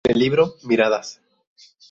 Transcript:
En el libro "Miradas.